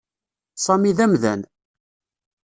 Sami d amdan.